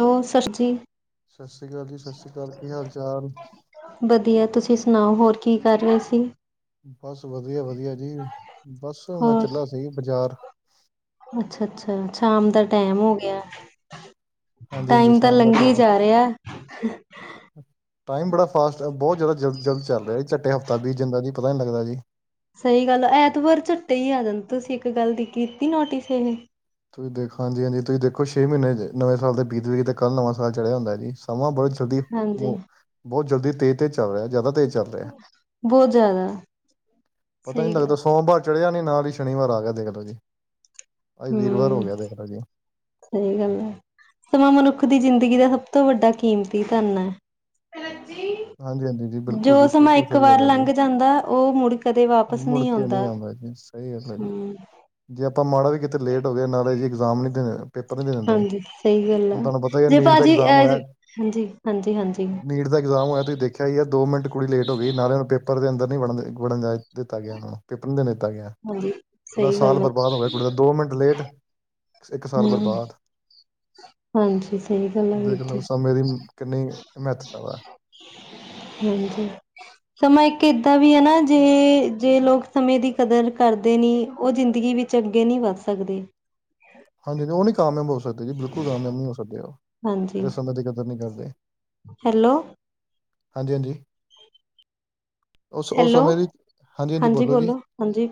Hello, ਸਤਿ ਸ਼੍ਰੀ ਸਤਿ ਸ੍ਰੀ ਅਕਾਲ ਜੀ, ਸਤਿ ਸ਼੍ਰੀ ਅਕਾਲ। ਕੀ ਹਾਲ ਚਾਲ? ਵਧੀਆ ਤੁਸੀਂ ਸੁਣਾਓ, ਹੋਰ ਕੀ ਕਰ ਰਹੇ ਸੀ? ਬਸ ਵਧੀਆ, ਵਧੀਆ ਜੀ, ਬਸ ਮੈਂ ਹੋਰ ਚਲਾ ਸੀ ਬਾਜ਼ਾਰ। ਅੱਛਾ, ਅੱਛਾ ਸ਼ਾਮ ਦਾ ਟੈਮ ਹੋ ਗਿਆ। ਹਾਂਜੀ ਹਾਂਜੀ ਟਾਈਮ ਤਾਂ ਸ਼ਾਮ ਦਾ ਲੰਘੀ ਟਾਈਮ ਆ। ਜਾ ਰਿਹਾ। ਟਾਈਮ ਬੜਾ ਫਾਸਟ ਏ, ਬਹੁਤ ਜ ਜ਼ਿਆਦਾ ਜਲਦੀ - ਜਲਦੀ ਚੱਲ ਰਿਹਾ ਜੀ, ਝੱਟੇ ਹਫ਼ਤਾ ਬੀਤ ਜਾਂਦਾ ਜੀ। ਪਤਾ ਨੀ ਲੱਗਦਾ ਜੀ। ਸਹੀ ਗੱਲ, ਐਤਵਾਰ ਝਟੇ ਹੀ ਆ ਜਾਂਦਾ, ਤੁਸੀਂ ਇੱਕ ਗੱਲ ਦੀ ਕੀਤੀ ਨੋਟਿਸ ਇਹ। ਤੁਸੀਂ ਦੇਖੋ ਹਾਂਜੀ, ਹਾਂਜੀ ਤੁਸੀਂ ਦੇਖੋ ਛੇ ਮਹੀਨੇ ਨਵੇਂ ਸਾਲ ਦੇ ਬੀਤ ਵੀ ਗਏ, ਤੇ ਕੱਲ੍ਹ ਨਵਾਂ ਸਾਲ ਚੜਿਆ ਹੁੰਦਾ ਜੀ। ਸਮਾਂ ਬਹੁਤ ਜਲਦੀ, ਹਾਂਜੀ ਬਹੁਤ ਜਲਦੀ ਤੇਜ਼ ਤੇ ਚੱਲ ਰਿਹਾ, ਜ਼ਿਆਦਾ ਤੇਜ਼ ਚੱਲ ਰਿਹਾ। ਬਹੁਤ ਜ਼ਿਆਦਾ ਪਤਾ ਸਹੀ ਨੀ ਗੱਲ ਲੱਗਦਾ, ਸੋਮਵਾਰ ਚੜਿਆ ਨੀ ਨਾਲ ਹੀ ਸ਼ਨੀਵਾਰ ਆ ਗਿਆ ਦੇਖ ਲੋ ਜੀ, ਆਜ ਵੀਰਵਾਰ ਹਮ ਹੋ ਗਿਆ ਦੇਖ ਲੋ ਜੀ। ਸਹੀ ਗੱਲ ਐ, ਸਮਾਂ ਮਨੁੱਖ ਦੀ ਜ਼ਿੰਦਗੀ ਦਾ ਸਭ ਤੋਂ ਵੱਡਾ ਕੀਮਤੀ ਤਾਨ ਐ। ਹਾਂਜੀ ਹਾਂਜੀ ਜੀ [inaudible] ਬਿਲਕੁਲ ਜੀ ਜੋ ਸਮਾਂ ਬਿਲਕੁਲ ਇੱਕ ਸਹੀ ਵਾਰ ਗੱਲ ਹੈ ਜੀ। ਲੰਘ ਜਾਂਦਾ, ਉਹ ਮੁੜ ਕਦੇ ਵਾਪਿਸ ਮੁੜ ਨੀ ਕੇ ਆਂਦਾ। ਨਹੀਂ ਆਉਂਦਾ ਸਹੀ ਗੱਲ ਐ ਜੀ, ਜੇ ਆਪਾਂ ਮਾੜਾ ਵੀ ਕਿਤੇ ਲੇਟ ਹੋ ਗਏ ਨਾਲੇ ਜੀ ਇਗਜ਼ਾਮ ਨਹੀਂ ਦੇਣੇ। ਪੇਪਰ ਨਹੀਂ ਦੇਣ ਦਿੰਦੇ, ਹਾਂਜੀ ਸਹੀ ਗੱਲ ਆ ਹੁਣ ਤੁਹਾਨੂੰ ਪਤਾ ਈ ਏ ਜੇ ਨੀਟ ਦਾ ਭਾਜੀ ਇਗਜ਼ਾਮ ਅ ਹੋਇਆ ਹਾਂਜੀ ਹਾਂਜੀ ਹਾਂਜੀ ਨੀਟ ਦਾ ਇਗਜ਼ਾਮ ਹੋਇਆ ਤੁਸੀਂ ਦੇਖਿਆ ਈ ਐ ਦੋ ਮਿੰਟ ਕੁੜੀ ਲੇਟ ਹੋ ਗਈ, ਨਾਲੇ ਉਹਨੂੰ ਪੇਪਰ ਦੇ ਅੰਦਰ ਨਹੀਂ ਵ ਬਨ ਵੜਨ ਜਾ ਦਿੱਤਾ ਗਿਆ ਉਹਨਾਂ ਨੂੰ। ਪੇਪਰ ਨੀ ਦੇਣ ਦਿੱਤਾ ਗਿਆ, ਹਾਂਜੀ ਪੂਰਾ ਸਹੀ ਸਾਲ ਗੱਲ ਹੈ ਬਰਬਾਦ ਹੋ ਗਿਆ ਕੁੜੀ ਦਾ ਦੋ ਮਿੰਟ ਲੇਟ ਇੱਕ ਸਾਲ ਹਮ ਬਰਬਾਦ। ਹਾਂਜੀ ਸਹੀ ਗੱਲ ਆ ਵੀਰ ਦੇਖ ਲੋ ਜੀ ਸਮੇ ਦੀ ਕਿੰਨੀ ਮਹਤਵ ਐ। ਹਾਂਜੀ। ਸਮਾਂ ਇੱਕ ਏਦਾਂ ਵੀ ਐ ਨਾ, ਜੇ ਜੇ ਲੋਕ ਸਮੇਂ ਦੀ ਕਦਰ ਕਰਦੇ ਨੀ ਉਹ ਜ਼ਿੰਦਗੀ ਵਿੱਚ ਚ ਅੱਗੇ ਨਹੀਂ ਵੱਧ ਸਕਦੇ। ਹਾਂਜੀ-ਹਾਂਜੀ, ਉਹ ਨਹੀਂ ਕਾਮਯਾਬ ਹੋ ਸਕਦੇ ਜੀ, ਬਿਲਕੁਲ ਕਾਮਯਾਬ ਨਹੀਂ ਹੋ ਸਕਦੇ ਉਹ ਹਾਂਜੀ। ਕਦੇ ਕਦਰ ਨਹੀਂ ਕਰਦੇ ਹੈਲੋ। ਹਾਂਜੀ-ਹਾਂਜੀ। ਉਸ ਉਸ ਹੈਲੋ ਸਮੇਂ ਦੀ, ਹਾਂਜੀ-ਹਾਂਜੀ ਹਾਂਜੀ ਬੋਲੋ ਜੀ, ਹਾਂਜੀ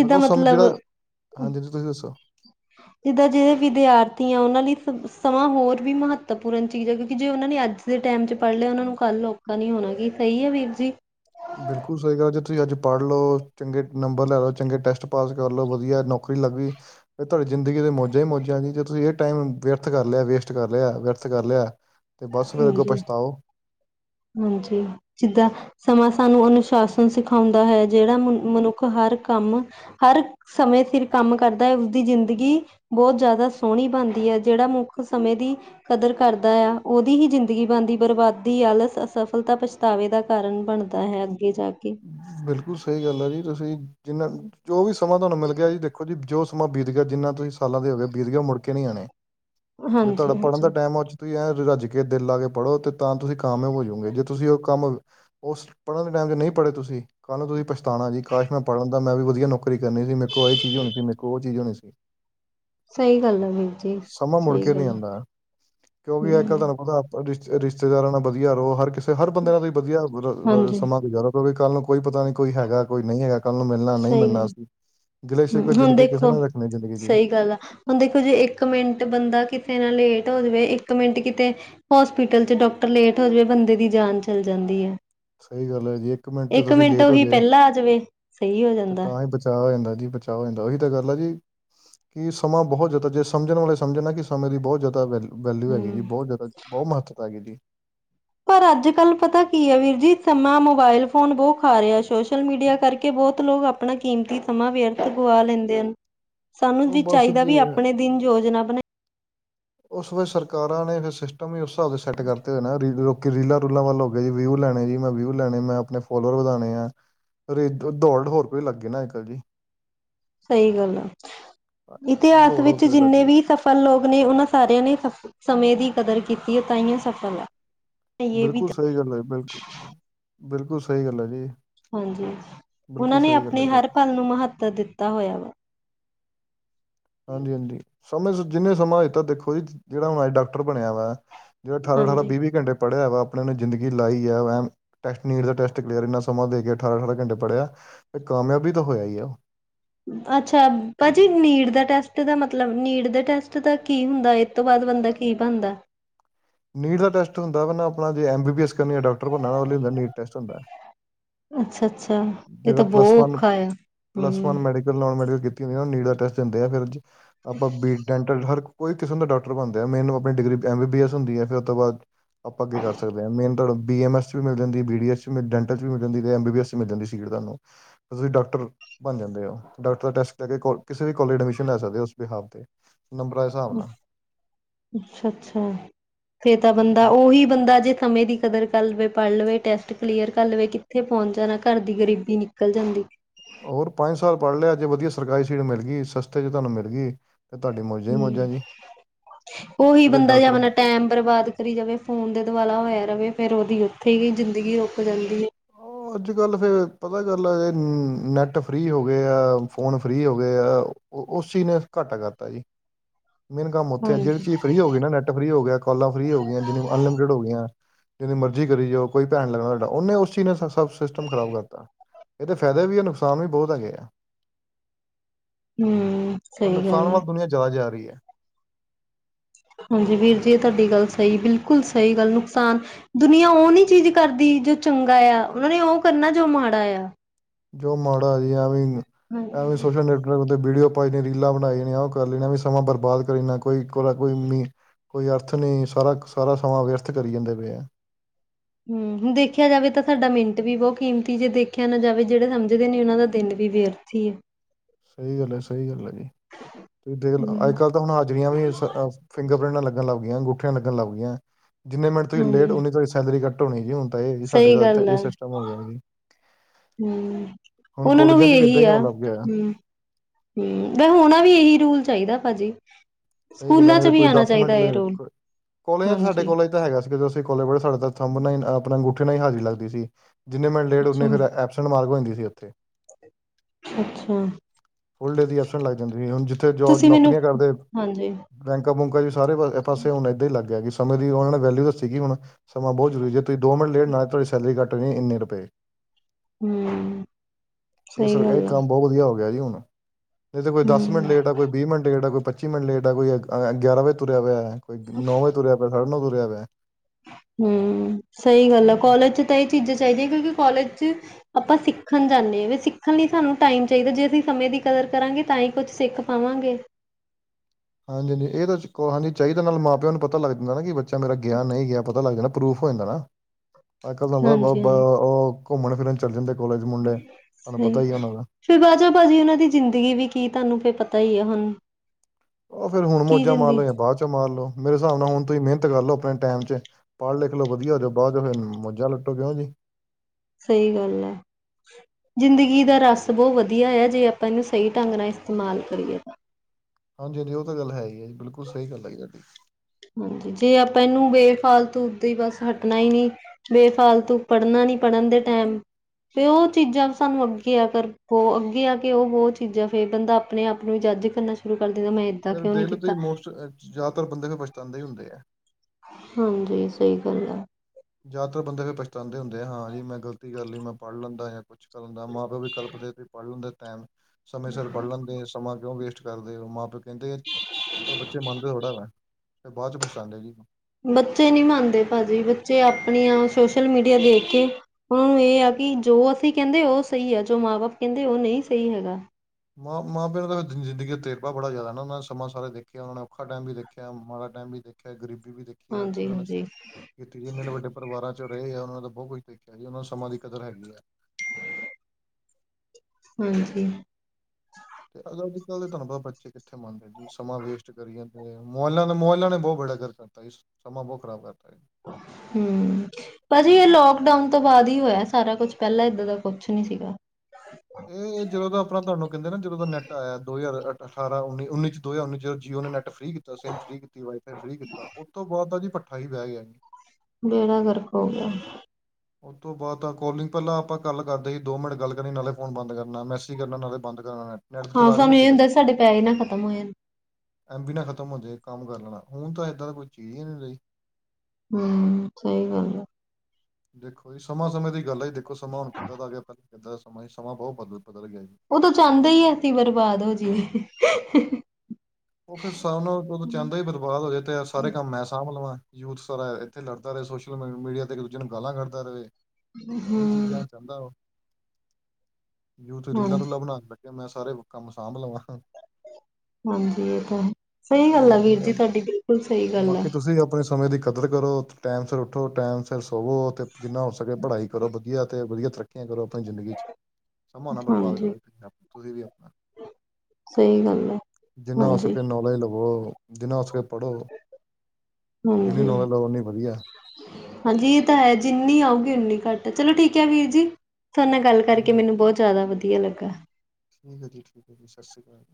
ਮੈਂ ਕਿਹਾ ਉਹ ਸਮੇਂ ਜਿਹੜਾ ਮਤਲਬ ਹਾਂਜੀ-ਹਾਂਜੀ, ਤੁਸੀਂ ਦੱਸੋ। ਜਿੱਦਾਂ ਜਿਹੜੇ ਵਿਦਿਆਰਥੀ ਆ ਉਹਨਾਂ ਲਈ ਸਮਾਂ ਹੋਰ ਵੀ ਮਹੱਤਵਪੂਰਨ ਚੀਜ਼ ਐ, ਕਿਉਂਕਿ ਜੇ ਉਹ ਨੇ ਅੱਜ ਦੇ ਟਾਈਮ ਚ ਪੜ੍ਹ ਲਿਆ, ਉਹਨਾਂ ਨੂੰ ਕੱਲ੍ਹ ਔਕਾ ਨਹੀਂ ਹੋਣਾ ਕੀ ਸਹੀ ਐ ਵੀਰ ਜੀ। ਬਿਲਕੁਲ ਸਹੀ ਗੱਲ, ਜੇ ਤੁਸੀਂ ਅੱਜ ਪੜ੍ਹ ਲਉ ਚੰਗੇ ਨੰਬਰ ਲੈ ਲੋ, ਚੰਗੇ ਟੈਸਟ ਪਾਸ ਕਰ ਲੋ, ਵਧੀਆ ਨੌਕਰੀ ਲੱਗ ਗਈ। ਫੇਰ ਤੁਹਾਡੀ ਜ਼ਿੰਦਗੀ ਦੇ ਮੌਜਾਂ ਹੀ ਮੌਜਾਂ ਜੀ, ਜੇ ਤੁਸੀਂ ਇਹ ਟਾਈਮ ਵਿਅਰਥ ਕਰ ਲਿਆ ਵੇਸਟ ਕਰ ਲਿਆ ਵਿਅਰਥ ਕਰ ਲਿਆ। ਤੇ ਬਸ ਫੇਰ ਅੱਗੋਂ ਹਾਂਜੀ ਪਛਤਾਓ। ਹਾਂਜੀ, ਸਿੱਦਾਂ ਸਮਾਂ ਸਾਨੂੰ ਅਨੁਸ਼ਾਸਨ ਸਿਖਾਉਂਦਾ ਐ, ਜਿਹੜਾ ਮ ਮਨੁੱਖ ਹਰ ਕੰਮ ਹਰ ਸਮੇਂ ਸਿਰ ਕੰਮ ਕਰਦਾ ਐ ਉਸਦੀ ਜ਼ਿੰਦਗੀ ਬਹੁਤ ਜ਼ਿਆਦਾ ਸੋਹਣੀ ਬਣਦੀ ਐ, ਜਿਹੜਾ ਮੁੱਖ ਸਮੇ ਦੀ ਕਦਰ ਕਰਦਾ ਆ ਉਹਦੀ ਹੀ ਜ਼ਿੰਦਗੀ ਬਣਦੀ ਬਰਬਾਦੀ ਆਲਸ ਅਸਫਲਤਾ ਪਛਤਾਵੇ ਦਾ ਕਾਰਨ ਬਣਦਾ ਐ ਅੱਗੇ ਜਾ ਕੇ। ਬਿਲਕੁਲ ਸਹੀ ਗੱਲ ਐ ਜੀ ਤੁਸੀਂ ਜਿੰਨਾ ਜੋ ਵੀ ਸਮਾਂ ਤੁਹਾਨੂੰ ਮਿਲ ਗਿਆ ਜੀ ਦੇਖੋ ਜੀ ਜੋ ਬੀਤ ਗਿਆ ਜਿੰਨਾ ਤੁਸੀਂ ਸਾਲਾਂ ਦੇ ਹੋ ਗੇ ਬੀਤ ਗਿਆ ਮੁੜ ਕੇ ਨਹੀਂ ਆਣੇ, ਜੇ ਹਾਂਜੀ ਤੁਹਾਡਾ ਪੜਨ ਦਾ ਹਾਂਜੀ ਟੈਮ ਤੁਸੀਂ ਐਂ ਰੱਜ ਕੇ ਦਿਲ ਆ ਕੇ ਪੜ੍ਹੋ ਤੇ ਤਾਂ ਤੁਸੀਂ ਕਾਮਯਾਬ ਹੋਜਊਗੇ ਜੇ ਤੁਸੀਂ ਉਹ ਕੰਮ ਉਸ ਪੜ੍ਹਨ ਦੇ ਟਾਈਮ ਚ ਨਹੀਂ ਪੜ੍ਹੇ ਤੁਸੀਂ, ਕੱਲ੍ਹ ਨੂੰ ਤੁਸੀਂ ਪਛਤਾਣਾ ਜੀ ਕਾਸ਼ ਮੈਂ ਪੜ੍ਹਨ ਦਾ ਮੈਂ ਵੀ ਵਧੀਆ ਨੋ ਨੌਕਰੀ ਕਰਨੀ ਸੀ ਮੇਰੇ ਕੋ ਇਹਹੀ ਚੀਜ਼ ਹੋਣੀ ਸੀ ਮੇਰੇ ਕੋ ਉਹ ਚੀਜ਼ ਵੀ ਹੋਣੀ ਸੀ। ਸਹੀ ਗੱਲ ਆ ਵੀਰ ਜੀ ਸਮਾਂ ਮੁੜ ਸਹੀ ਕੇ ਨਹੀਂ ਗੱਲ ਆਂਦਾ ਕਿਉਂਕਿ ਅੱਜ ਕੱਲ੍ਹ ਹਮ ਤੁਹਾਨੂੰ ਪਤਾ ਰਿਸ਼ ਰਿਸ਼ਤੇਦਾਰਾਂ ਨਾਲ ਵਧੀਆ ਰਹੋ ਹਰ ਕਿਸੇ ਹਰ ਬੰਦੇ ਨਾਲ ਤੁਹੀ ਵਦੀਆਂ ਰ ਰ ਹਾਂਜੀ ਸਮਾਂ [unintelligible] ਕਿਉਂਕਿ ਕੱਲ ਨੂੰ ਕੋਈ ਪਤਾ ਨੀ ਕੋਈ ਹੈਗਾ ਕੋਈ ਨਹੀਂ ਹੈਗਾ। ਕੱਲ ਨੂੰ ਮਿਲਣਾ ਨਹੀਂ ਸਹੀ ਮਿਲਣਾ, ਗੱਲ ਗਿੱਲੇ ਹਮ ਸ਼ਿਕਵੇ ਹੁਣ ਜ਼ਿੰਦਗੀ ਕਿਸੇ ਦੇਖੋ ਨਾਲ ਰੱਖਣੀ ਜ਼ਿੰਦਗੀ ਜ [unintelligible] ਹੁਣ ਦੇਖੋ ਜੀ ਇੱਕ ਮਿੰਟ ਬੰਦਾ ਕਿਥੇ ਨਾਲ ਲੇਟ ਹੋ ਜਾਵੇ ਇੱਕ ਮਿੰਟ ਕਿਤੇ ਹੋਸਪੀਟਲ ਚ ਡਾਕਟਰ ਲੇਟ ਹੋ ਜਾਵੇ ਬੰਦੇ ਦੀ ਜਾਨ ਚੱਲ ਜਾਂਦੀ ਐ। ਸਹੀ ਗੱਲ ਐ ਜੀ ਇੱਕ ਮਿੰਟ ਚ ਤੁਸੀਂ ਲੇਟ ਹੋ ਉਹੀ ਜੇ, ਪਹਿਲਾਂ ਆ ਜਾਵੇ ਸਹੀ ਹੋ ਤੇ ਜਾਂਦਾ ਤਾਂ ਹੀ ਬਚਾ ਹੋ ਜਾਂਦਾ ਜੀ ਬਚਾ ਹੋ ਜਾਂਦਾ ਉਹੀ ਤਾਂ ਗੱਲ ਐ ਜੀ। ਕਿ ਸਮਾਂ ਬਹੁਤ ਜ਼ਿਆਦਾ ਜੇ ਸਮਝਣ ਵਾਲੇ ਸਮਝਣਾ ਕਿ ਸਮੇਂ ਦੀ ਬੋਤ ਜ਼ਿਆਦਾ ਵੈਲ ਗੱਲ ਹੈਗੀ ਐ ਜੀ ਹਮ ਬੋਤ ਜ਼ਿਆਦਾ ਬਹੁਤ ਮਹੱਤਤਾ ਹੈਗੀ ਜੀ। ਪਰ ਅੱਜ ਕੱਲ ਪਤਾ ਕੀ ਐ ਵੀਰ ਜੀ ਸਮਾਂ ਮੋਬਾਇਲ ਫੋਨ ਬੋ ਖਾ ਰਿਹਾ ਸੋਸ਼ਲ ਮੀਡੀਆ ਕਰਕੇ ਬੋਤ ਲੋਕ ਆਪਣਾ ਕੀਮਤੀ ਸਮਾਂ ਵਿਅਰਥ ਗੁਆ ਲੈਂਦੇ ਨੇ ਸਾਨੂੰ ਉਹ ਵੀ ਬਸ ਚਾਹੀਦਾ ਜੇ ਵੀ ਆਪਣੇ ਤਿੰਨ ਯੋਜਨਾ ਆਪਣਾ ਉਸ ਵੇ ਸਰਕਾਰਾਂ ਨੇ ਫਿਰ ਸਿਸਟਮ ਈ ਉਸ ਹਿਸਾਬ ਦੇ ਸੈੱਟ ਕਰਤੇ ਹੋਏ ਨੇ ਰ ਰੀਲਾਂ ਰੂਲਾਂ ਵੱਲ ਵਿਊ ਲੈਣੇ ਜੀ ਮੈ ਵਿਊ ਲੈਣੇ ਮੈਂ ਆਪਣੇ ਫੋਲੋਅਰ ਵਧਾਣੇ ਆ। ਰੇ ਦੋਲਡ ਹੋਰ ਕੋਈ ਲੱਗੇ ਨਾ ਅਜ ਕੱਲ੍ਹ ਜੀ। ਸਹੀ ਗੱਲ ਐ, ਇਤਿਹਾਸ ਦੌੜ ਹੋਰ ਵਿੱਚ ਕੋਈ ਲੱਗ ਜਿੰਨੇ ਗਈ ਵੀ ਪਰ ਲੋਕ ਨੇ ਉਹਨਾਂ ਸਾਰਿਆਂ ਨੇ, ਸਮੇਂ ਦੀ ਕਦਰ ਕੀਤੀ ਐ ਤਈਓ ਸਫਲ ਐ। ਬਿਲਕੁਲ ਸਹੀ ਗੱਲ ਐ ਜੀ, ਬਿਲਕੁਲ ਬਿਲਕੁਲ ਸਈ ਗੱਲ ਐ ਜੀ। ਹਾਂਜੀ, ਬਿਲਕੁਲ ਉਹਨਾਂ ਨੇ ਸਹੀ ਗੱਲ ਹੈ ਆਪਣੇ ਜੀ ਤੁਹਾਡੀ ਹਰ ਪਲ ਨੂੰ ਮਹੱਤਵ ਦਿੱਤਾ ਹੋਇਆ। ਹਾਂਜੀ ਹਾਂਜੀ, ਸਮੇਂ ਜਿੰਨੇ ਸਮਾਂ ਦਿੱਤਾ ਦੇਖੋ ਜੀ ਜਿਹੜਾ ਹੁਣ ਅੱਜ ਡਾਕਟਰ ਬਣਿਆ ਜਿਹੜ ਅਠਾਰਾਂ ਅਠਾਰਾਂ ਹਾਂਜੀ ਵੀਹ ਵੀਹ ਘੰਟੇ ਪੜ੍ਹਿਆ ਵਾ ਆਪਣਿਆ ਨਾਲ ਜ਼ਿੰਦਗੀ ਲਾਈ ਐ। ਟੈਸਟ ਨੀਡ ਦਾ ਟੈਸਟ ਕਲੀਅਰ ਇੰਨਾ ਸਮਾਂ ਦੇ ਕੇ ਅਠਾਰਾਂ ਅਠਾਰਾਂ ਘੰਟੇ ਪੜ੍ਹਿਆ, ਤੇ ਕਾਮਯਾਬੀ ਤਾਂ ਹੋਇਆ ਈ ਆ। ਅੱਛਾ ਭਾਜੀ ਨੀਟ ਦਾ ਟੈਸਟ ਦਾ ਮਤਲਬ ਨੀਟ ਦੇ ਟੈਸਟ ਦਾ ਕੀ ਹੁੰਦਾ ਐ। ਤੋਂ ਬਾਦ ਬੰਦਾ ਕੀ ਬਣਦਾ? ਨੀਟ ਦਾ ਟੈਸਟ ਹੁੰਦਾ ਆਪਣਾ ਜੇ ਐਮ ਬੀ ਐਸੀ ਕਰਨੀ ਡਾਕਟਰ ਬਣਨਾ ਨੀਟ ਟੈਸਟ ਹੁੰਦਾ। ਅੱਛਾ ਅੱਛਾ, ਇਹ ਜਿਹਦਾ ਤਾਂ ਪਲੱਸ ਬਹੁਤ ਵਨ ਔਖਾ ਆ ਪਲੱਸ ਵਨ ਹੂੰ। ਮੈਡੀਕਲ ਨੋਨ ਮੈਡੀਕਲ ਕੀਤੀ ਨੀਟ ਦਾ ਟੈਸਟ ਦਿੰਦੇ ਆ, ਫਿਰ ਆਪਾਂ ਬੀ ਡੈਂਟਲ ਹਰ ਕੋਈ ਕਿਸਮ ਦਾ ਡਾਕਟਰ ਬਣਦਾ ਮੈਨ ਆਪਣੀ ਐੱ ਬੀ ਬੀ ਐੱਸ ਹੁੰਦੀ ਐ ਫਿਰ ਉਹ ਤੋਂ ਬਾਦ ਆਪਾਂ ਅੱਗੇ ਕਰ ਸਕਦੇ ਆ ਮੇਨ ਤੁਹਾਡਾ ਬੀ ਐਮ ਐਸ ਚ ਵੀ ਮਿਲ ਜਾਂਦੀ ਬੀ ਡੀ ਐਸ ਚ ਵੀ ਮਿਲ ਜਾਂਦੀ ਤੇ ਐਮ ਬੀ ਐੱਸ ਚ ਮਿਲ ਜਾਂਦੀ। ਤੁਹਾਨੂੰ ਤੁਸੀਂ ਡਾਕਟਰ ਬਣ ਜਾਂਦੇ ਆ ਡਕਟਰ ਦਾ ਟੈਸਟ ਕਿਸੇ ਵੀ ਕੋਲਜ ਐਡਮਿਸ਼ਨ ਲੈ ਸਕਦੇ [unintelligible] ਨੰਬਰਾਂ ਦੇ ਹਿਸਾਬ ਨਾਲ ਅੱਛਾ ਅੱਛਾ, ਫੇਰ ਤਾਂ ਬੰਦਾ ਉਹੀ ਬੰਦਾ ਜੇ ਸਮੇ ਦੀ ਕਦਰ ਕਰ ਲਵੇ ਪੜ੍ਹ ਲਵੇ ਟੈਸਟ ਕਲੀਅਰ ਕਰ ਲਵੇ। ਉੱਥੇ ਪਹੁੰਚ ਜਾਣਾ ਘਰ ਦੀ ਗਰੀਬੀ ਨਿਕਲ ਜਾਂਦੀ ਹੋਰ ਪੰਜ ਸਾਲ ਪੜ੍ਹ ਲਿਆ ਅਜੇ ਵਧੀਆ ਸਰਕਾਰੀ ਸੀਟ ਮਿਲ ਗਈ ਸਸਤੇ ਚ ਤੁਹਾਨੂੰ ਮਿਲ ਗਈ। ਤੇ ਤੁਹਾਡੀ ਮੌਜੇ ਈ ਮੌਜਾ ਹਮ ਜੀ ਉਹੀ ਕਦੇ ਬੰਦਾ ਜੇ ਡਾਕਟਰ ਆਪਣਾ ਟੈਮ ਬਰਬਾਦ ਕਰੀ ਜਾਵੇ ਫੋਨ ਦੇ ਦੁਆਲਾ ਹੋਇਆ ਰਹੇ ਫੇਰ ਉਹਦੀ ਉਥੇ ਹੀ ਜ਼ਿੰਦਗੀ ਰੁਕ ਜਾਂਦੀ ਐ। ਅੱਜ ਕੱਲ ਫਿਰ ਪਤਾ ਚੱਲ ਆ ਜੇ ਨੈਟ ਫ੍ਰਰੀ ਹੋ ਗਏ ਆ ਫੋਨ ਫ੍ਰੀ ਹੋ ਗਏ ਆ। ਉਸ ਚੀਜ ਨੇ ਘੱਟਾ ਕਰਤਾ ਜੀ। [inaudible] ਮੇਨ ਕੰਮ ਉਥੇ ਆ ਜਿਹੜੀ ਹਾਂਜੀ ਚੀਜ਼ ਫ੍ਰੀ ਹੋ ਗਈ ਨੈਟ ਫ੍ਰੀ ਹੋ ਗਿਆ ਕਾਲਾਂ ਫ੍ਰੀ ਹੋ ਗਿਆਂ ਜਿਵੇ ਅਨਲਿਮਟਿਡ ਹੋ ਗਈਆਂ। ਜਿੰਨੀ ਮਰਜ਼ੀ ਕਰੀ ਜਾਓ [unintelligible] ਉਹ ਨੇ ਉਸ ਚੀਜ਼ ਨੇ ਸਭ ਸਿਸਟਮ ਖਰਾਬ ਕਰਤਾ, ਇਹਦੇ ਫਾਇਦੇ ਵੀ ਆ ਨੁਕਸਾਨ ਵੀ ਬਹੁਤ ਹੈਗੇ ਆ। ਹੂੰ, ਪਰ ਸਹੀ ਗੱਲ ਨੁਕਸਾਨ ਹੈ। ਵੱਲ ਦੁਨੀਆਂ ਜ਼ਿਆਦਾ ਜਾ ਰੀ ਐ। ਹਾਂਜੀ ਵੀਰ ਜੀ ਤੁਹਾਡੀ ਗੱਲ ਸਹੀ ਬਿਲਕੁਲ ਸਹੀ ਗੱਲ ਨੁਕਸਾਨ ਦੁਨੀਆਂ ਉਹ ਨੀ ਚੀਜ਼ ਕਰਦੀ ਜੋ ਚੰਗਾ ਆ ਉਹਨਾ ਨੇ ਉਹ ਕਰਨਾ ਜੋ ਮਾੜਾ ਆ। ਜੋ ਮੜਾ ਜੀ ਏਵੇ ਆ ਹਾਂਜੀ। ਦੇ ਵੀਡੀਓ ਪਾਈ ਜਾਣੀ ਰੀਲਾਂ ਬਣਾਈਆਂ ਉਹ ਕਰ ਲੈ ਵੀ ਸਮਾਂ ਬਰਬਾਦ ਕਰੀਨਾ ਕੋਈ ਕੋ ਕੋਈ ਕੋਈ ਅਰਥ ਨੀ ਸਾਰਾ ਸਾਰਾ ਸਮਾਂ ਵਿਅਰਥ ਕਰੀ ਜਾਂਦੇ ਪਏ ਨੇ। ਹੂੰ ਦੇਖਿਆ ਜਾਵੇ ਤਾਂ ਸਾਡਾ ਮਿੰਟ ਵੀ ਬਹੁਤ ਕੀਮਤੀ ਜੇ ਦੇਖਿਆ ਨਾ ਜਾਵੇ ਜਿਹੜੇ ਸਮਝਦੇ ਨੇ ਉਹਨਾਂ ਦਾ ਤਿੰਨ ਵੀ ਵਿਅਰਥ ਹੀ ਆ। ਸਹੀ ਗੱਲ ਹੈ, ਸਹੀ ਗੱਲ ਹੈ ਜੀ ਤੁ ਦੇਖ ਹੂੰ। ਅੱਜ ਕੱਲ੍ਹ ਤਾਂ ਹੁਣ ਹਾਜਰੀਆਂ ਵੀ ਫਿੰਗਰਿੰਪਟਾਂ ਲੱਗਣ ਲੱਗ ਗਈਆਂ ਗੂਠੀਆਂ ਲੱਗ ਲੱਗ ਪਈਆਂ, ਜਿੰਨੇ ਮਿੰਟ ਤੁਸੀਂ ਲੇਟ ਹੂੰ, ਉਨੀ ਤੁਹਾਡੀ ਸੈਲਰੀ ਕਟ ਕੱਟ ਹੋਣੀ ਜੀ ਹੁਣ ਤਾਂ ਇਹ ਸਾਡੇ ਇਹ ਸਿਸਟਮ ਹੋ ਗਿਆ ਜੀ। ਹਮ, ਹੁਣ ਉਹਨਾਂ ਨੂੰ ਕਾਲਜਾਂ ਵੀ 'ਚ ਇਹੀ ਇੱਦਾਂ ਹੀ ਆ ਹੋਣ ਲੱਗ ਗਿਆ ਹਮ ਹਮ ਹੋਣਾ ਵੀ ਇਹੀ ਰੂਲ ਚਾਹੀਦਾ ਭਾਜੀ। ਸਹੀ ਗੱਲਾਂ ਸਕੂਲਾਂ ਚ ਨੇ ਵੀ ਕੋਈ ਆਣਾ ਦਸ ਮਿੰਟ ਚਾਹੀਦਾ ਇਹ ਲੇਟ ਰੂਲ ਕੋਲਜਾਂ ਚ ਸਾਡੇ ਹਾਂਜੀ, ਕੋਲ ਤਾਂ ਹੈਗਾ ਸੀਂ ਕੋਲੇਜ ਸਾਡੇ ਥਭ ਆਪ ਅਗੂਠ ਨਾਲ ਹਾਜ਼ਰੀ ਲਗਦੀ ਸੀ, ਜਿੰਨੇ ਮਿੰਟ ਲੇਟ ਉਨੇ ਅੱਛਾ, ਫਿਰ ਐਪ ਮਾਰਕ ਹੁੰਦੀ ਸੀ ਉੱਥੇ। ਅੱਛਾ। ਫੁਲ ਡੇ ਦੀ ਐਪਸੇਂਟ ਲੱਗ ਜਾਂਦੀ ਸੀ, ਹੁਣ ਜੀ ਤੁਸੀਂ ਮੈਨੂੰ, ਹਾਂਜੀ। ਬੈਂਕਾ ਬੁੰਕਾ ਜੀ ਸਾਰੇ ਪਾਸ ਪਾਸੇ ਹੁਣ ਏਦਾਂ ਹੀ ਲੱਗ ਗਿਆ, ਸਮੇਂ ਦੀ ਉਹਨਾਂ ਨੇ ਵੈਲਿਊ ਦੱਸੀ ਕਿ ਹੁਣ ਸਮਾਂ ਬਹੁਤ ਜ਼ੂਰੁਰੀ ਜੇ ਤੁਸੀ ਦੋ ਮਿੰਨਟ ਲੇਟ ਨਾਲੇ ਤੁਹਾਡੀ ਸੈਲਰੀ ਕੱਟ ਹੋ ਜਾਣੀ, ਇਨੇ ਰੁਪਏ ਹੂੰ ਇਹ ਸਹੀ ਸਰ ਇਹ ਗੱਲ ਆ ਕੰਮ ਬਹੁਤ ਵਧੀਆ ਹੋ ਗਿਆ ਜੀ ਹੁਣ। ਏ ਤਾਂ ਕੋਈ ਦਸ ਮਿੰਟ ਹੂੰ ਲੇਟ ਆ, ਕੋਈ ਵੀਹ ਮਿੰਟ ਲੇਟ ਆ, ਕੋਈ ਪੱਚੀ ਮਿੰਟ ਲੇਟ ਆ, ਕੋਈ ਗਿਆਰਾਂ ਵਜੇ ਤੁਰਿਆ ਹੋਇਆ ਐ ਕੋਈ ਨੌ ਵਜੇ ਤੁਰਿਆ, ਕੋਈ ਸਾਢੇ ਨੌ ਤੁਰਿਆ ਪਿਆ। ਹਮ, ਸਹੀ ਗੱਲ ਆ ਹੈ। ਕੋਲਜ ਚ ਤਾਂ ਇਹ ਚੀਜ਼ਾਂ ਚਾਹੀਦੀਆਂ, ਕਿਉਂਕਿ ਕਾਲਜ ਚ ਆਪਾ ਸਿੱਖਣ ਜਾਂਨੇ ਹਾਂ ਵੀ ਸਿੱਖਣ ਲਈ ਸਾਨੂੰ ਟਾਈਮ ਚਾਹੀਦਾ ਜੇ ਅਸੀਂ ਸਮੇਂ ਦੀ ਕਦਰ ਕਰਾਂਗੇ ਤਾਂ ਹੀ ਕੁੱਛ ਸਿੱਖ ਪਾਵਾਂਗੇ। ਹਾਂਜੀ-ਹਾਂਜੀ, ਏ ਤਾਂ ਕੋਹ ਚਾਹੀਦਾ ਨਾਲ ਮਾਂ ਪਿਓ ਨੂੰ ਪਤਾ ਲੱਗ ਜਾਂਦਾ ਨਾ ਕਿ ਬੱਚਾ ਮੇਰਾ ਗਿਆ ਨਹੀਂ ਗਿਆ ਪਤਾ ਲੱਗਦਾ ਨਾ। ਪਰੂਫ ਹੋ ਜਾਂਦਾ ਨਾ [inaudible] ਹਾਂਜੀ ਹਾਂਜੀ ਘੁੰਮਣ ਫਿਰਨ ਚੱਲ ਜਾਂਦੇ ਕੋਲਜ ਮੁੰਡੇ ਤੁਹਾਨੂੰ ਸਹੀ ਪਤਾ ਹੀ ਹੈ, ਉਹਨਾਂ ਦਾ। ਫਿਰ ਬਾਚੋਂ ਭਾਜੀ ਉਹਨਾਂ ਦੀ ਜ਼ਿੰਦਗੀ ਵੀ ਕੀ ਤੁਹਾਨੂੰ ਫਿਰ ਪਤਾ ਹੀ ਆ ਹੁਣ ਉਹ ਫਿਰ ਹੁਣ ਕੀ ਮੋਜਾਂ ਮਾਰ ਜ਼ਿੰਦਗੀ ਲਈ ਜਾਂ ਬਾਅਦ ਚੋਂ ਮਾਰ ਲੋ ਮੇਰੇ ਹਿਸਾਬ ਨਾਲ ਹੁਣ ਤੁਸੀਂ ਮਿਹਨਤ ਕਰ ਲੋ ਆਪਣੇ ਟੈਮ ਚ। ਪੜ੍ਹ ਲਿਖ ਲੋ ਵਧੀਆ ਜਾ ਬਾਅਦ ਚ ਫਿਰ ਮੋਝਾਂ ਲੁਟੇਗੇ, ਕਿਉਂ ਜੀ? ਸਹੀ ਗੱਲ ਐ। ਜ਼ਿੰਦਗੀ ਦਾ ਰਸ ਬਹੁਤ ਵਧੀਆ ਹੈ, ਜੇ ਆਪਾਂ ਇਹਨੂੰ ਸਹੀ ਢੰਗ ਨਾਲ ਇਸਤੇਮਾਲ ਕਰੀਏ ਤਾਂ। ਹਾਂਜੀ ਹਾਂਜੀ, ਉਹ ਤਾਂ ਗੱਲ ਹੈ ਹੀ ਹੈ ਜੀ ਬਿਲਕੁਲ ਸਹੀ ਗੱਲ ਹੈ ਜੀ ਤੁਹਾਡੀ। ਹਾਂਜੀ, ਜੇ ਆਪਾਂ ਇਹਨੂੰ ਬੇਫਾਲਤੂ ਦੀ ਬਸ ਹਟਣਾ ਹੀ ਨਹੀ ਬੇਫਾਲਤੂ ਪੜਨਾ ਨੀ ਪੜਨ ਦੇ ਟਾਈਮ ਤੇ ਉਹ ਚੀਜ਼ਾਂ ਸਾਨੂੰ ਅੱਗੇ ਆ ਕਰ ਅੱਗੇ ਆ ਕੇ ਬਹੁਤ ਚੀਜ਼ਾਂ ਫੇਰ ਬੰਦਾ ਆਪਣੇ ਆਪ ਨੂੰ ਵੀ ਜੱਜ ਕਰਨਾ ਸ਼ੁਰੂ ਕਰ ਦਿੰਦਾ ਮੈਂ ਫਿਰ ਕਿਉਂ ਨੀ ਦੇਖ ਲੋ ਕੀਤਾ ਤੁਸੀਂ ਮੋਸਟ ਜ ਜ਼ਿਆਦਾਤਰ ਬੰਦੇ ਪਛਤਾਉਂਦੇ ਹੀ ਹੁੰਦੇ ਆ। ਹਾਂਜੀ, ਸਹੀ ਗੱਲ ਆ। ਜਾਯਦਾਤਰ ਬੰਦੇ ਕੋ ਪਛਤਾਉਦੇ ਹੁੰਦੇ ਆ, ਹਾਂ ਜੀ ਮੈਂ ਗਲਤੀ ਕਰ ਲਈ ਮੈਂ ਪੜ੍ਹ ਲੈਂਦਾ ਜਾਂ ਕੁ ਕੁੱਛ ਕਰਨ ਦਾ ਮਾਂ-ਪਿਓ ਵੀ ਕਲਪਦੇ ਦੇ ਪੜ ਲੈਂਦੇ ਟੈਮ ਸਮੇਂ ਸਿਰ ਪੜ੍ਹ ਲੈਂਦੇ ਸਮਾਂ ਕਿਉਂ ਵੇਸਟ ਕਰਦੇ ਹੋ ਮਾਂ ਪਿਓ ਜ਼ਿੰਦਗੀ ' ਪਰ ਬੱਚੇ ਮੰਨਦੇ ਥੋੜ੍ਹਾ ਨੇ ਹੈ ਅਤੇ ਬਾਦ 'ਚ ਪਛਤਾਉਂਦੇ ਜੀ ਬੱਚੇ ਨਹੀਂ ਮੰਨਦੇ ਭਾਜੀ, ਬੱਚੇ ਆਪਣੀਆਂ ਸੋਸ਼ਲ ਮੀਡੀਆ ਦੇਖਕੇ ਉਹਨਾਂ ਨੂੰ ਇਹ ਆ ਕਿ ਜੋ ਅਸੀਂ ਕਹਿੰਦੇ ਉਹ ਸਹੀ ਆ, ਜੋ ਮਾਂ ਬਾਪ ਕਹਿੰਦੇ ਉਹ ਨਹੀਂ ਸਹੀ ਹੈਗਾ- ਮਾਂ ਮਾਂ ਪਿਓ ਨੇ ਤਾਂ ਫ ਜ਼ਿੰਦਗੀ ਦਾ ਤੇਰਬਾ ਬੜਾ ਜ਼ਿਆਦਾ ਨਾ ਉਹ ਨੇ ਸਮਾਂ ਸਾਰੇ ਦੇਖਿਆ ਉਹਨਾਂ ਨੇ ਔਖਾ ਟੈਮ ਵੀ ਦੇਖਿਆ ਮਾੜਾ ਟੈਮ ਵੀ ਦੇਖਿਆ ਦੇਖਿਆ ਗਰੀਬੀ ਵੀ ਦੇਖੀ ਹਰ ਚੀਜ਼ ਹਾਂਜੀ ਓਹਨਾ ਨੇ ਹਾਂਜੀ ਕੀਤੀ ਜੀ ਇਹਨਾਂ ਨੇ ਵੱਡੇ ਪਰਿਵਾਰਾਂ ਚੋਂ ਰਹੇ ਆ, ਉਹਨਾਂ ਦਾ ਬਹੁ ਕੁਝ ਦੇਖਿਆ ਜੀ ਉਹਨਾਂ ਨੂੰ ਸਮਾਂ ਦੀ ਕਦਰ ਹੈਗੀ ਆ। ਹਾਂਜੀ। [unintelligible] ਬੱਚੇ ਕਿੱਥੇ ਜੀ ਸਮਾਂ ਵੇਸਟ ਕਰੀ ਜਾਂਦੇਆ, ਤੇ ਮੋਆਯਲਾਂ ਦੇ ਮੋਆਯਲਾਂ ਨੇ ਬੋਹ ਬੇੜਾ ਗਰਕ ਕਰਤਾ ਜੀ। ਸਮਾਂ ਬਓ ਖਰਾਬ ਕਰਤਾ। ਹੁੰ। ਭਾਜੀ, ਇਹ ਲੋਕਡਾਊਨ ਤੋਂ ਬਾਦ ਹੀ ਹੋਇਆ ਸਾਰਾ ਕੁਛ ਪਹਿਲਾਂ ਏਦਾਂ ਦਾ ਕੁਛ ਨੀ ਸੀਗਾ। ਇਹ ਜਦੋਂ ਦਾ ਆਪਣਾ ਤੁਹਾਨੂੰ ਕਹਿੰਦੇ ਨਾ ਜਦੋਂ ਦਾ ਨੈਟ ਆਯਾ ਦੋ ਹਜ਼ਾਰ ਅਠਾਰਾਂ ਉੱਨੀ ਉੱਨੀ 'ਚ ਦੋ ਹਜ਼ਾਰ ਉੱਨੀ'ਚ ਜਦੋਂ ਜੀਓ ਨੇ ਨੈਟ ਫ੍ਰੀ ਕੀਤਾ ਸਿਮ ਫਰੀ ਕੀਤੀ, ਵਾਈ ਫਾਈ ਫ੍ਰੀ ਕੀਤਾ ਉਸ ਤੋਂ ਬਾਅਦ ਤਾਂ ਜੀ ਭੱਠਾ ਹੀ ਬਹਿ ਗਿਆ। ਬੇੜਾ ਗਰਕ ਹੋ ਗਯਾ। ਉਹ ਤੋਂ ਬਾਅਦ ਤਾਂ ਕੋਲਿੰਗ ਪਹਿਲਾਂ ਆਪਾਂ ਗੱਲ ਕਰਦੇ ਸੀ ਦੋ ਮਿੰਟ ਗੱਲ ਕਰਨੀ ਨਾਲੇ ਫ਼ੋਨ ਬੰਦ ਕਰਨਾ, ਮੈਸੇਜ ਕਰਨਾ ਨਾਲੇ ਬੰਦ ਕਰਨਾ। ਨੈਟ ਤੇ ਹਾਂ, ਚਲਾ ਕੇ ਨਾ ਸਾਨੂੰ ਏ ਰੱਖੀਦਾ ਹੁੰਦਾ ਸਾਡੇ ਪੈਸੇ ਨਾ ਖਤਮ ਹੋ ਜਾਨ। ਐਮ ਬੀ ਨਾ ਖਤਮ ਹੁੰਦੇ ਕੰਮ ਕਰ ਲੈਣਾ ਹੁਣ, ਤਾਂ ਏਦਾਂ ਤਾਂ ਕੋਈ ਚੀਜ਼ ਹੀ ਨੀਂ ਰਯੀ। ਹੁੰ, ਸਹੀ ਗੱਲ ਆ। ਦੇਖੋ ਜੀ ਸਮਾਂ ਸਮੇ ਦੀ ਗੱਲਏ ਦੇਖੋ ਸਮਾਂ ਹੁਣ ਕਿੱਦਾਂ ਦਾ ਆ ਗਿਆ, ਪਹਿਲਾਂ ਕਿੱਦਾਂ ਦਾ ਸਮਾਂ ਸੀ ਸਮਾਂ ਬੋਤ ਬਦਲ ਬਦਲ ਗੇਆ ਜੀ। ਓ ਤਾਂ ਚਾਂਦਾ ਈ ਅੱਸੀ ਬਰਬਾਦ ਹੋ ਜਾਈਏ। [unintelligible] ਓ ਫਿਰ [unintelligible] ਚਾਂਦਾ ਈ ਬਰਬਾਦ ਹੋਜੇ ਤੇ ਏ ਸਾਰੇ ਕੰਮ ਮੈਂ ਸਾਂਬ ਲਵਾਂ। ਯੂਥ ਸਾਰਾ ਇੱਥੇ ਲੜਦਾ ਰੇ ਸੋਸ਼ਲ ਮੀਡੀਆ ਤੇ ਦੂਜੇ ਨੂੰ ਗਾਲਾਂ ਕਢਦਾ ਰਵੇ। ਏ ਹੂੰ, ਚੀਜ਼ਾਂ ਚਾਂਦਾ ਓ, ਯੂਥ ਹਾਂਜੀ, ਰੀਲਾਂ-ਰੁਲਾਂ ਬਨਾਨ ਬੈ ਤੇ ਮੈਂ ਸਾਰੇ ਕੰਮ ਸਾਂਭ ਲਵਾਂ। ਹਾਂਜੀ, ਇਹ ਤਾਂ ਹੈ ਸਹੀ ਗੱਲ ਚਲੋ ਐ ਇਦਾਂ ਵੀਰ ਜੀ, ਤੁਹਾਡੀ ਬਿਲਕੁਲ ਸਹੀ ਗੱਲ ਐ। ਅਪਨੇ ਸਮੇਂ ਦੀ ਕਦਰ ਕਰੋ ਟੈਮ ਸਿਰ ਉੱਠੋ, ਟੈਮ ਸਿਰ ਸੋਵੋ, ਤੇ ਜਿੰਨਾ ਹੋ ਸਕੇ ਪੜ੍ਹਾਈ ਕਰੋ ਵਧੀਆ ਤੇ ਵਧੀਆ ਤਰੱਕੀਆਂ ਕਰੋ ਅਪਨੀ ਜਿਦੰਗੀ 'ਚ। ਸਮਾਂ ਨਾਂ ਬਰਬਾਦ ਹਾਂਜੀ ਕਰੋ ਤੁਸੀਂ ਵੀ ਅਪਣਾ। ਸਹੀ ਗੱਲ ਏ। ਜਿੰਨਾ ਹੋ ਸਕੇ ਨੌਲੇਜ ਲਵੋ, ਜਿੰਨਾ ਹੋ ਸਕੇ ਪੜੋ। ਹੁੰ-ਹੁੰ। ਹੰਜੀ, ਏ ਤਾਂ ਹੈ ਜਿੰਨੀ ਆਉਗੀ ਓਨੀ ਕੱਟ ਚਲੋ, ਠੀਕੈ ਵੀਰ ਜੀ। ਤੁਆਨੁ ਗੱਲ ਕਰਕੇ ਹਾਂਜੀ ਮੈਨੂੰ ਬੋਤ ਜਾਦਾ ਵਧੀਆ ਲੱਗਾ। ਠੀਕੈ ਜੀ, ਠੀਕੈ ਜੀ ਸਤਿ ਸ਼੍ਰੀ ਅਕਾਲ।